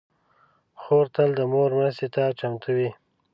خور تل د مور مرستې ته چمتو وي.